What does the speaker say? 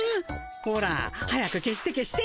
ほら早く消して消して。